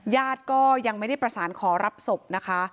ญาติก็ยังไม่ได้ประสานขอรับศพนะคะ